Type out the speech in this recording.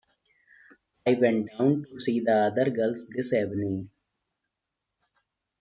I went down to see the other girls this evening.